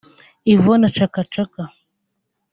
Yvone Chakachaka